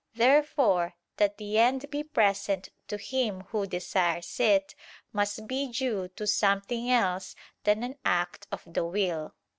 Therefore, that the end be present to him who desires it, must be due to something else than an act of the will.